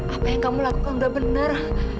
apa yang kamu lakukan udah benar